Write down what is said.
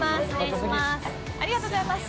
ありがとうございます。